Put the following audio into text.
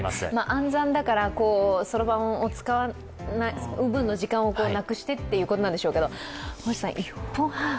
暗算だから、そろばんを使わない分の時間をなくしてということなんでしょうけれども星さん、１分半。